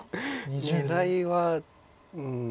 狙いはうん。